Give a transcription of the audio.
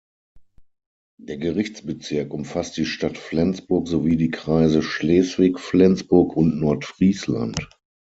Der Gerichtsbezirk umfasst die Stadt Flensburg sowie die Kreise Schleswig-Flensburg und Nordfriesland.